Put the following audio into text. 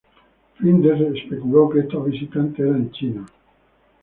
Flinders especuló que estos visitantes eran chinos.